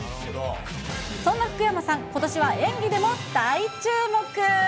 そんな福山さん、ことしは演技でも大注目。